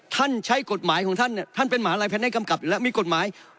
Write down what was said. ใช้กฎหมายของท่านท่านเป็นหมาลัยแพทย์กำกับอยู่แล้วมีกฎหมาย